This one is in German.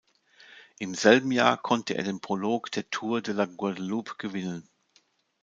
Im selben Jahr konnte er den Prolog der Tour de la Guadeloupe gewinnen.